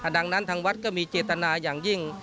ดังนั้นทางวัดก็มีเจตนาอย่างยิ่ง